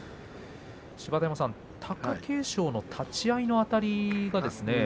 芝田山さん、貴景勝の立ち合いのあたり